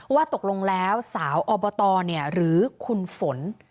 ว่าตกลงแล้วสาวอบตหรือคุณฝน